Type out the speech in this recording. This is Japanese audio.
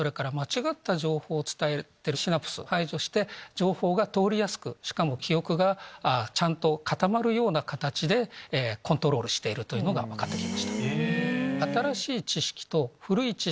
情報が通りやすくしかも記憶がちゃんと固まるような形でコントロールしているというのが分かってきました。